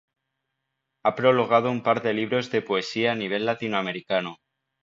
Ha prologado un par de libros de poesía a nivel latinoamericano.